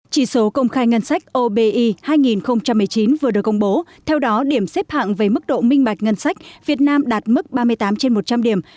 chỉ số công khai ngân sách obi hai nghìn một mươi chín vừa được công bố theo đó điểm xếp hạng về mức độ minh bạch ngân sách việt nam đạt mức ba mươi tám trên một trăm linh điểm